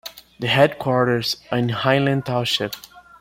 The headquarters are in Highland Township.